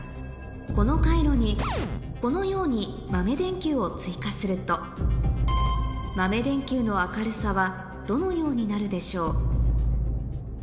この回路にこのように豆電球を追加すると豆電球の明るさはどのようになるでしょう？